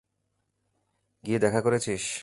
গিয়ে দেখা করেছিস?